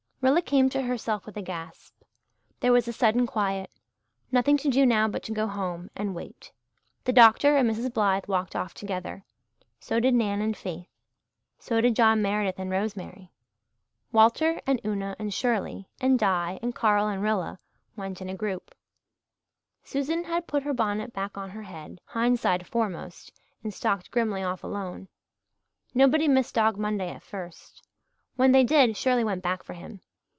Rilla came to herself with a gasp. There was a sudden quiet. Nothing to do now but to go home and wait. The doctor and Mrs. Blythe walked off together so did Nan and Faith so did John Meredith and Rosemary. Walter and Una and Shirley and Di and Carl and Rilla went in a group. Susan had put her bonnet back on her head, hindside foremost, and stalked grimly off alone. Nobody missed Dog Monday at first. When they did Shirley went back for him.